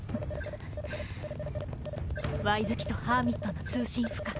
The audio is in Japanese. ワイズ機とハーミットの通信不可。